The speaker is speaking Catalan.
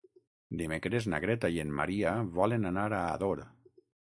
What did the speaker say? Dimecres na Greta i en Maria volen anar a Ador.